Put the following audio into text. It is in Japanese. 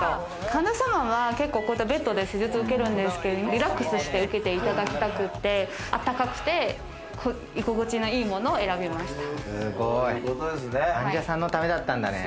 患者様はこういうベッドで施術、受けるんですけど、リラックスして受けていただきたくて、あったかくて居心地のいいものを選びました。